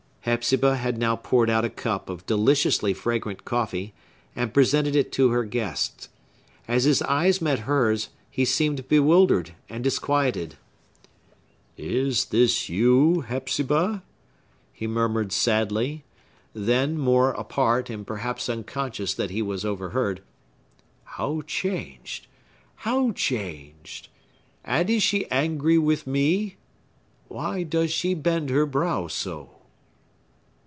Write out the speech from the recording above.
Hepzibah had now poured out a cup of deliciously fragrant coffee, and presented it to her guest. As his eyes met hers, he seemed bewildered and disquieted. "Is this you, Hepzibah?" he murmured sadly; then, more apart, and perhaps unconscious that he was overheard, "How changed! how changed! And is she angry with me? Why does she bend her brow so?"